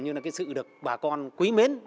như là cái sự được bà con quý miến